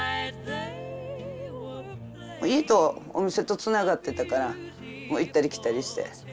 家とお店とつながってたから行ったり来たりして。